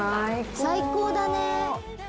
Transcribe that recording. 最高だね！